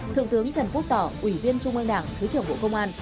thượng tướng trần quốc tỏ ủy viên trung ương đảng thứ trưởng bộ công an